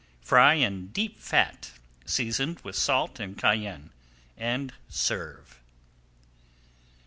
Fry in deep fat, season with salt and cayenne, and serve.